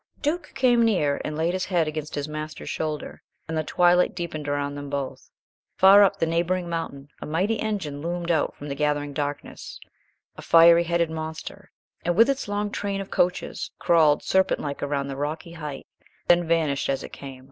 Duke came near and laid his head against his master's shoulder, and the twilight deepened around them both. Far up the neighboring mountain a mighty engine loomed out from the gathering darkness a fiery headed monster and with its long train of coaches crawled serpent like around the rocky height, then vanished as it came.